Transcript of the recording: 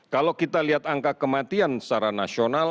kalau kita lihat angka kematian secara nasional